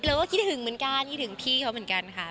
เราก็คิดถึงเหมือนกันคิดถึงพี่เขาเหมือนกันค่ะ